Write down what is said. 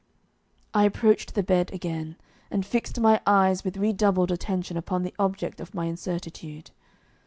I approached the bed again, and fixed my eyes with redoubled attention upon the object of my incertitude.